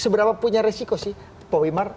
seberapa punya resiko sih pak wimar